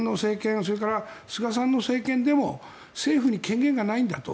それから菅さんの政権でも政府に権限がないんだと。